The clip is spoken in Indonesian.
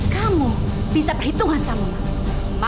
kamu bisa berhitungan sama mama